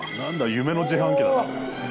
夢の自販機だな。